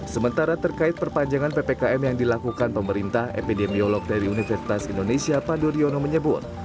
sementara terkait perpanjangan ppkm yang dilakukan pemerintah epidemiolog dari universitas indonesia pandoriono menyebut